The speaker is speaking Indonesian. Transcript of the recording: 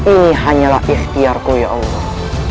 ini hanyalah ikhtiarku ya allah